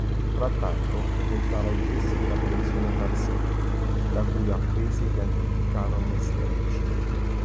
Frattanto frequentava i gessi della collezione Farsetti, da cui apprese gli antichi canoni estetici.